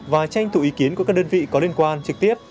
và tranh thủ ý kiến của các đơn vị có liên quan trực tiếp